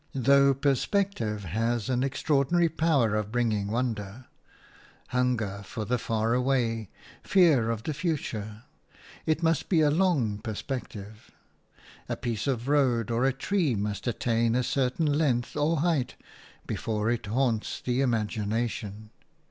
Though perspective has an extraordinary power of bringing wonder – hunger for the far away, fear of the future – it must be a long perspective; a piece of road or a tree must attain a certain length or height before it haunts the imagination.